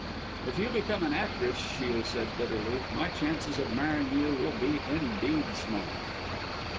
"If you become an actress," Shiel said bitterly, "my chances of marrying you will indeed be small."